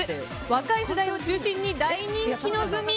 若い世代を中心に大人気のグミ。